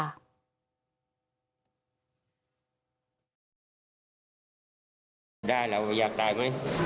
ได้แล้วอยากตายไหมจ้ะอยากตายแต่ไปขุมกิน